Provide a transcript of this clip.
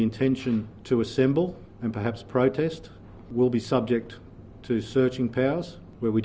ini adalah kekuatan luar biasa